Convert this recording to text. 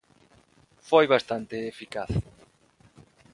Foi bastante eficaz.